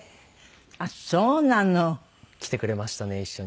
あっそうなの。来てくれましたね一緒に。